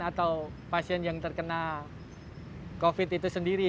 atau pasien yang terkena covid itu sendiri